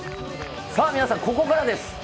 さあ、皆さん、ここからです！